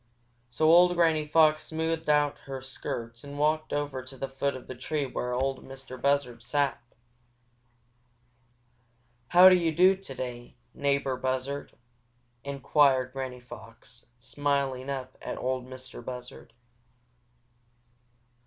So old Granny Fox smoothed out her skirts and walked over to the foot of the tree where Ol' Mistah Buzzard sat. "How do you do today, neighbor Buzzard?" inquired Granny Fox, smiling up at Ol' Mistah Buzzard.